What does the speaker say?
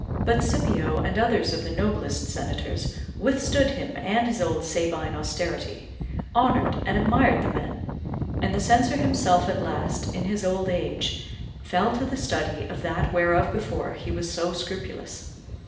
But Scipio and others of the noblest senators withstood him and his old Sabine austerity; honoured and admired the men; and the censor himself at last, in his old age, fell to the study of that whereof before he was so scrupulous.